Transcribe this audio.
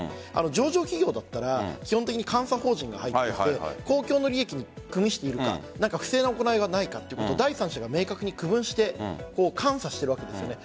上場企業だったら基本的に監査法人が入って公共の利益にくみしているか不正な行いはないかということを第３者が明確に区分して監査してるわけですよね。